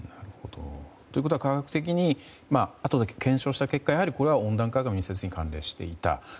ということは科学的にあとで検証した結果やはりこれは温暖化と密接に関連していた。